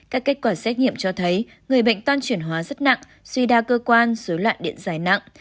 các kết quả xét nghiệm cho thấy người bệnh toan chuyển hóa rất nặng suy đa cơ quan dối loạn điện dài nặng